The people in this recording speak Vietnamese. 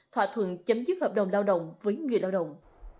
thỏa thuận chấm dứt hợp đồng lao động với người lao động